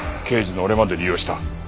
刑事の俺まで利用した。